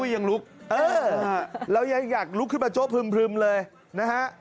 เข้าอย่างลุกอยั่งลุกขึ้นประโยชน์พรึมเลยนะฮะ